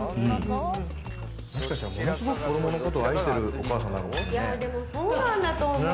もしかしたら、ものすごく子どものことを愛してるお母さんなのかもね。